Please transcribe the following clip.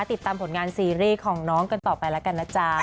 ติดตามผลงานซีรีส์ของน้องกันต่อไปแล้วกันนะจ๊ะ